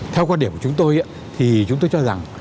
theo quan điểm của chúng tôi thì chúng tôi cho rằng